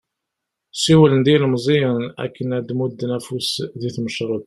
Siwlen-d i yilmeẓyen akken ad d-mudden afus di tmecreḍt.